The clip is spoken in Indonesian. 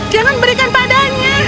alam jangan berikan padanya